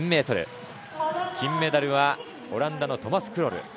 金メダルはオランダのトマス・クロル。